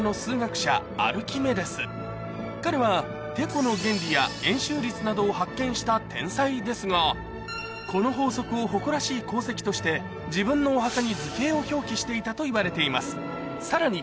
この法則を今から彼はなどを発見した天才ですがこの法則を誇らしい功績として自分のお墓に図形を表記していたといわれています